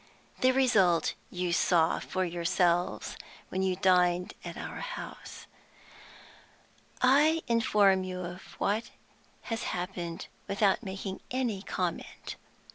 The result you saw for yourselves when you dined at our house. "I inform you of what has happened without making any comment.